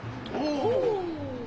お。